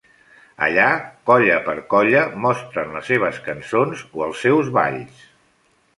Allà, colla per colla, mostren les seves cançons o els seus balls.